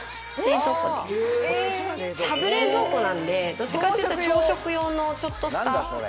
サブ冷蔵庫なんでどっちかっていうと朝食用のちょっとしたもの。